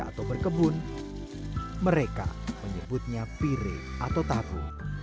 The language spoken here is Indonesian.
setelah berkebun mereka menyebutnya pire atau tagu